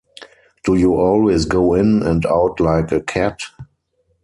Do you always go in and out like a cat?